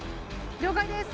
了解です！